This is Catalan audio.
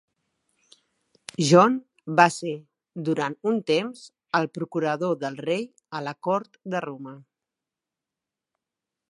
John va ser, durant un temps, el procurador del rei a la Cort de Roma.